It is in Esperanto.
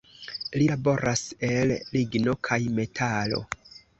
Li laboras el ligno kaj metalo.